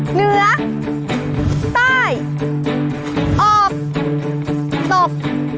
เหนือใต้อบตบ